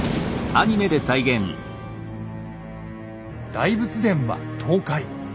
大仏殿は倒壊。